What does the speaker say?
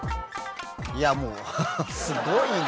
いやもうすごいな。